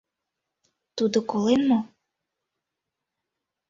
— Тудо колен мо?